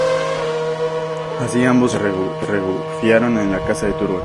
Así ambos huyeron y se refugiaron en la casa de Turgon.